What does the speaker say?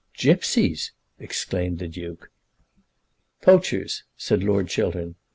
"Gipsies!" exclaimed the Duke. "Poachers!" said Lord Chiltern.